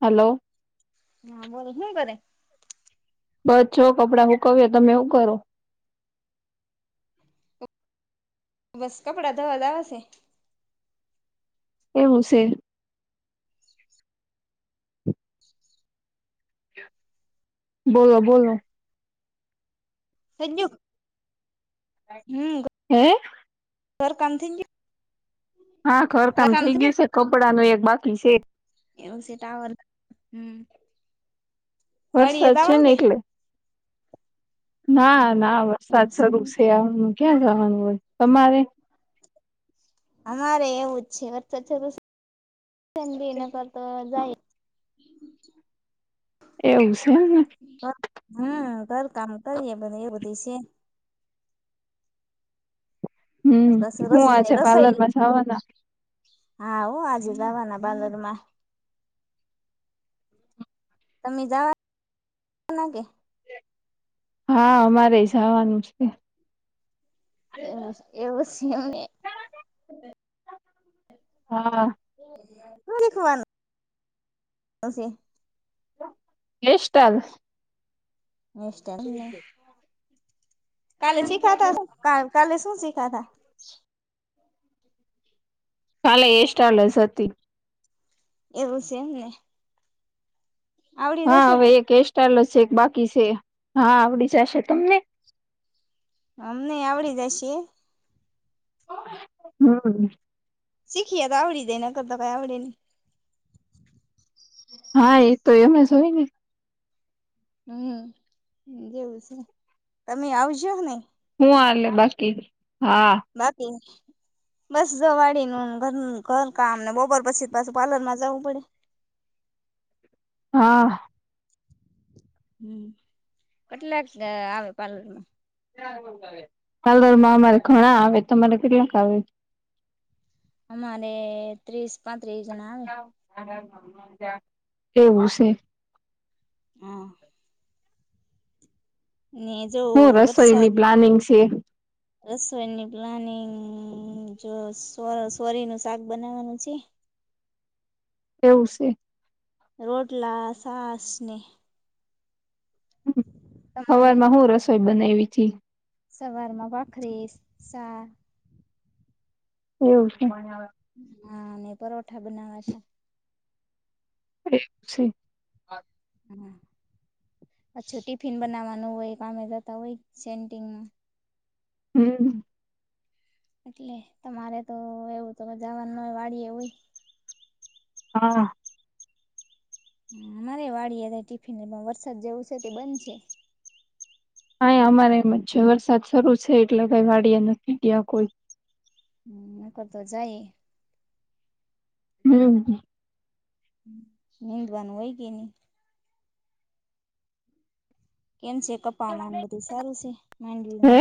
Hello હા બોલો. શું કરે? બસ જો કપડાં હૂકવીએ. તમે શું કરો? બસ કપડા ધોવા જાવા સે. એવું છે. બોલો બોલો. બીજું? હમ્મ હે ઘરકામ થઇ ગયું? હા ઘર ઘરકામ કામ થઈ ગયું સે. કપડાંનું એક બાકી છે. ત્યાં સે ટાવર. વાડીએ વરસાદ છે દાવાનું ને કે એટલે ના ના વરસાદ શરૂ સે આવામાં ક્યાં જવાનું હોય. તમારે? અમારેય એવું જ છે વરસાદ શરૂ છે છેને ધીમા ધારે. તો જાય. એવું છે. હમ હા ઘરકામ કરીએ ઘરે એ બધું છે. પછી હમ હું રસોઈ આજે રસોઈનું પાર્લરમાં જવાના હા હો આજે જાવાના બાલરમાં અમે જવાના છીએ. હા અમારેય જાવાનું એવું છે એમને હા. શું ખાવાનું? શું છે? [unintelligible] [unintelligible] કાલે શીખાતા કાલે શું શીખ્યાતા? કાલે એસ્ટાઇલ હતી. એવું છે એમ ને હા હવે કે એક હેરસ્ટાઈઇલ છે એક બાકી છે હા આવડી જશે તમને. અમને આવડી જશે? હમ. શીખીએ તો આવડી દેને ક તો કઈ આવડે નને હા એ તો એમને જ હોય ને હમ એવું છે તમે આવજોને. હું હાલે બાકી હા. બાકી બસ જવાળીનું ઘર ઘર કામ ને બપર પછી પાછું પાર્લર માં જવું પડે. હા. હમ્મ કેટલાક આ આવે પાર્લરમાં. પાર્લરમાં અમારે ઘણા આવે તમારે કેટલાક આવે. અમારે ત્રીસ પાંત્રીસ જણા આવેે. એવું છે. હા. ને જો હું વરસાદ રસોઈની પ્લાનિંગ છે. રસોઈની પ્લાનિંગ જો સો સોરીનું શાક બનાવાનું છે. એવું છે. રોટલા સાસને તમારે હવારમાં હું રસોઈ બનાઈવી તી. સવારમાં ભાખરી સા. એવું છે. હા અને પરોઠા બનાવા તાં. એવુ છે. હમ્મ પાછું ટિફિન બનાવાનું હોય કામે જતા હોય સેન્ટિનમાં. હમ્મ. એટલે તમારે તો એવું તો જવાનું નય વાળીએ હોય. હા. અમારે વાડીએ જાય ટિફિન પણ વરસાદ જેવું છે તો બંધ છે. અહ્યા અમારે એમ છે વરસાદ શરૂ છે એટલે કઈ વાડીએ નથી ગયા કોઈ. હમ્મ નકર તો જાય. હમ્મ. નિંદવાનું હોય કે ની. કેમ છે કપાવા બધું સારું છે હે માંડવીમા.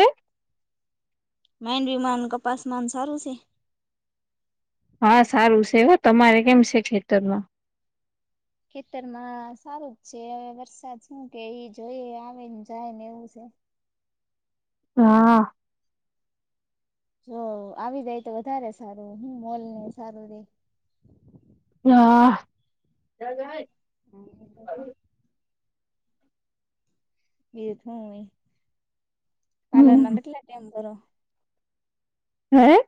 માંડવીમા ને કપાસમા સારું છે. હા સારું છે હો તમારે કેમ છે ખેતરમાં. ખેતરમાં સારું જ છે હવે વરસાદ શું કે એ જઈ આવે ને જાય ને એવું છે. હા. જો આવી જાય તો વધારે સારું હું મોલ ને એ સારું રે. હા. [unintelligible] [unintelligible] કાલરના હમ કેટલે ટાઈમ ભરો હે.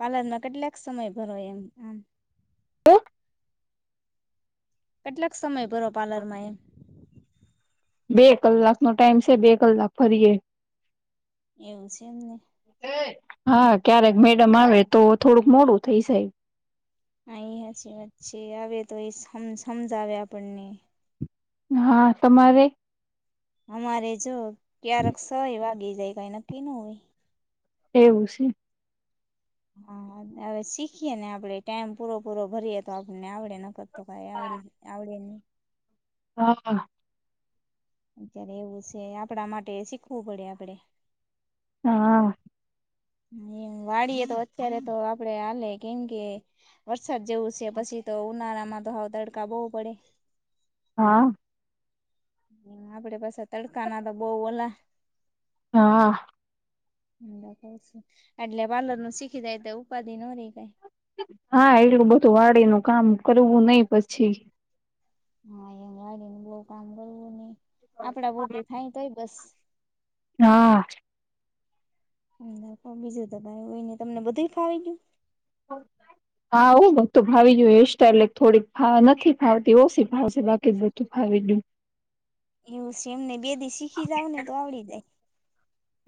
પાર્લરના કેટલાક સમય ભરો એમ કામ. હું. કેટલાક સમય ભરો પાર્લરમાં એમ. બે કલાક નો ટાઈમ છે બે કલાક ભરીએે. એવું છે એમને. હા ક્યારેક મેડમ આવે તો થોડુંક મોડું થઇ જાય. હા એ હાચી વાત છેે આવે તો એ સમ હમજાવે આપણને. હા તમારે. અમારે જો ક્યારેક છ એ વાગી જાય કઈ નક્કી ન હોય. એવું છે. હા હવે શીખીએ ને આપડે ટાઈમ પૂરો-પૂરો ભરીએ તો આપણને આવડે નકત તો કઈ આવડી આવડ ડે નઈ. હા-હા. અત્યારે એવું છે આપણા માટે શીખવું પડે આપડે. હા. એ વાળીએ તો અત્યારે તો આપડે હાલે કેમ કે વરસાદ જેવું છે પછી તો ઉનાળામાં તો હવ તડકા બોવ પડે. હા. હ આપડે પાસે તડકા ના તો બઉ ઓલા હા. એટલે પાર્લરનું શીખી જાય તો ઉપાધિ ન રે કઈ હા એટલું બધું વાડી નું કામ કરવું નહી પછી હા એ વાડીનું બવ કામ કરવું નહી આપડા પૂરતી થાય તોય બસ હા. બીજું તો કંઈ હોયને તમને બધું જ ફાવી ગયું? [inaudible] હા હ બધું ભાવી ગયું હેર સ્ટાઇલ એ થોડીક નથી ફાવતી ઓછી ફાવશે બાકી જ બધું ભાવી ગયું એવું છે એમને બે દી શીખી જાવ ને તો આવડી જાય.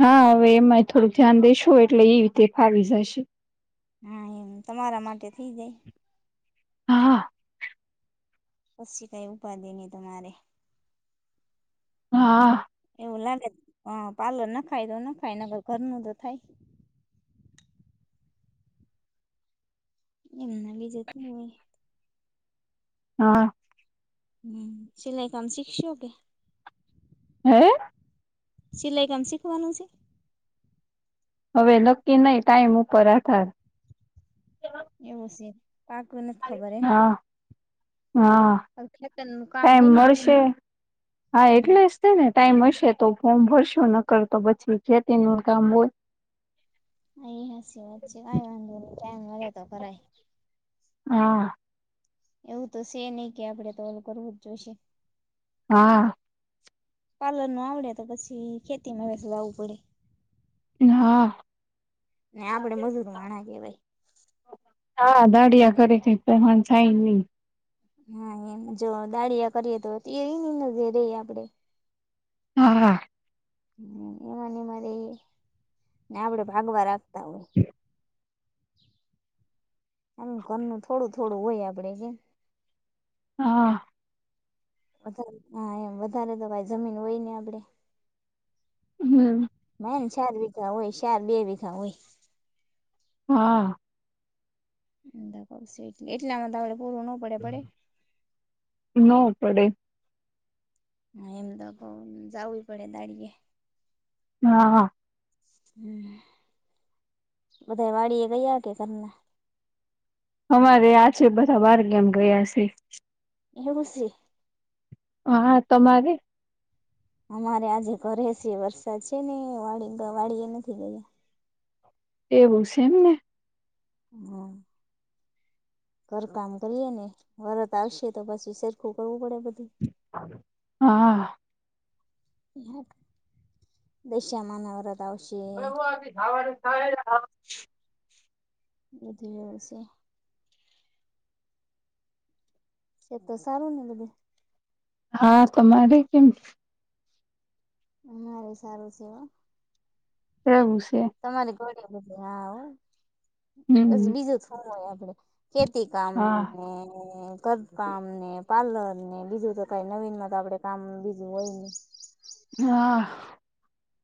હા હવે એમાં થોડુંક ધ્યાન દેશો એટલે એ રીતે ફાવી જશે. હા એમ તમારા માટે થઇ જાય. હા હા પછી કઈ ઉપાધે નહી તમારે હા એવું લાગે હ પાર્લર નાખાય તો નખાય ઘરનું તો થાય. એમના બી જતું હોય હા હમ સિલાઈ કામ શીખશો કે હૈ? સિલાઈ કામ શીખવાનું છે? હવે નક્કી નહી ટાઈમ ઉપર આધાર એવું સે [inaudible] હા હવે ખેતરનું કામ હા એમ હોય ને મળશે હા હમ એટલે ને ટાઈમ હશે તો ફોર્મ ભરશો નકર તો પછી ખેતી નુ કામ હોય. અ હાચી વાત છે કઈ વાંધો ન ટાઈમ મળે તો કરાય હા એવું તો છે નહી કે આપડે તો ઓલું કરવું જ જોઈશે. હા પાર્લર નું આવડે તો પછી ખેતી માં [inaudible] પડે હા ને આપડે મજૂર વાળા કેવાઈ. હા દાડિયા [inaudible] થાય નહી હા એમ જો દાળીયા કરીએ તો [inaudible] નરે આપડે હા હા હ એમાંને મારે ને આપડે ભાગવા રાખતા હોય આમ ઘરનું થોડું થોડું હોય આપડે કે હા વધારે હા એમ વધારે તો ભાઈ જમીન હોય ને આપડે. હમ ના ને ચાર વીઘા હોય ચાર બે વીઘા હોય હા એટલા માં આપડે પૂરું નો પડે. પડે? નો પડે. એમ તો કંઈ જાવુંય પડે દાડીયે હા હમ બધા વાડી એ ગયા કે ઘરના? અમારે આજે બધા બહાર ગામ ગયા છે. એવુ શે? હા તમારે? અમારે આજે ઘરે છે. વરસાદ છે ને વાડી વાડી એ નથી ગયા. એવું છે એમ ને? હમ ઘર કામ કરીએ ને વરત આવશે તો પછી સરખું કરવું પડે બધું. હા દશમાના વરત આવશે. [unintelligible] થવાડી થાય હ વધ એશે એ તો સારું ને તો ભ, હા તમારે કેમ? અ મારે સારું છે. રહેવું છે. તમારી ઘડી બધી હા, હમ પછી બીજું હોય આપડે ખેતી કામ હા ને ઘર કામ ને પાર્લર ને બીજું તો કઈ નવીનમાં તો આપડે કામ બીજું હોય ની. હા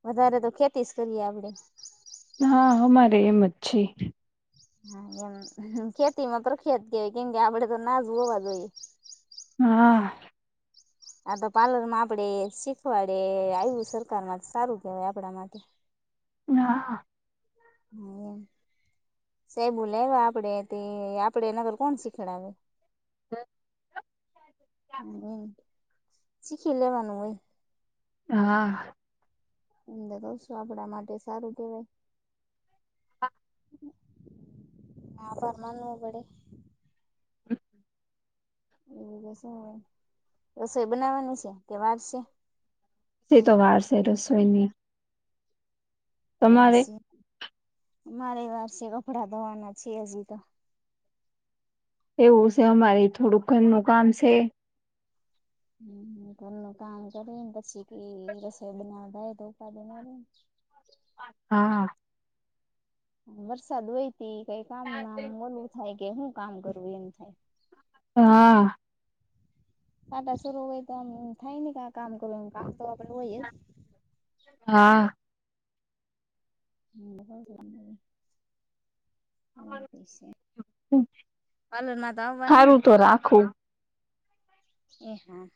વધારે તો ખેતી જ કરીએ આપડે. હા અમારે એમ જ છે. હા એમ ખેતીમાં પ્રખ્યાત કેવાય કેમ કે, આપડે તો નાજ હોવા જોઈએ. હા આ તો પાર્લર માં આપડે શીખવાડે આવ્યું, સરકારમાં સારું કેહેવાય આપણા માટે હા હા એમ સાહેબો લાવ્યા આપડે તે આપડે એનાગર કોણ શીખડાવ? હમ હ એમ શીખી લેવાનું હોય, હા એમ કહશું, આપડા માટે સારું કેવાય. હા આભાર માનું પડે. હચ એ રસોઈ બનાવવાની છે તે વાર છે? તે તો વાર છે રસોઈ ન. એમ મારે વારસે કપડા ધવાના છે હજી તો. એવું છે અમારી થોડુંક ઘર નું કામ છે. હમ ઘર નુ કામ કરીને પછી ક રસોઈ બનાવવા થાય તો ઉપાડી માને. હા વરસાદ હોયતી કઈ કામ હા [unintelligible] લું થાય કે હું કામ કરું એમ થાય? હા ખાટા શરરૂ હોય તો આમ થાય ને કે કામ કરું ક તો આપડું હોય. હા હ બ છે એ મ છે? પાર્લર મા તો આવવાના ને? સારું તો રાખુ. એ હા